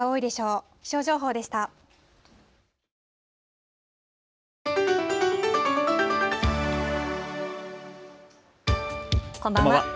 こんばんは。